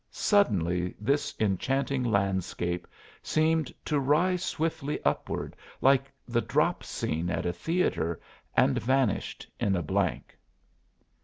Suddenly this enchanting landscape seemed to rise swiftly upward like the drop scene at a theatre, and vanished in a blank.